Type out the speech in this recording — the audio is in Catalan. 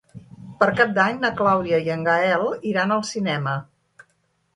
Per Cap d'Any na Clàudia i en Gaël iran al cinema.